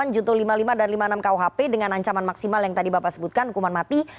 delapan junto lima puluh lima dan lima puluh enam kuhp dengan ancaman maksimal yang tadi bapak sebutkan hukuman mati